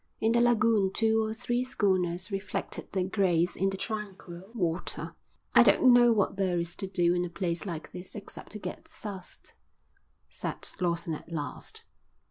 In the lagoon two or three schooners reflected their grace in the tranquil water. "I don't know what there is to do in a place like this except to get soused," said Lawson at last.